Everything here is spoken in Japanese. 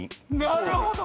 なるほど！